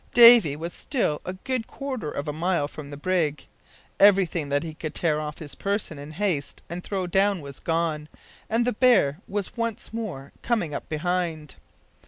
Davy was still a good quarter of a mile from the brig; everything that he could tear off his person in haste and throw down was gone, and the bear was once more coming up behind.